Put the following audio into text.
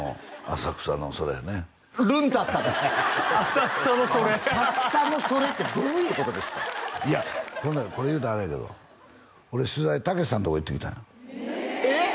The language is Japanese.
「浅草のそれ」ってどういうことですかいやほんでもこれ言うたらあれやけど俺取材たけしさんとこ行ってきたんよえっ！？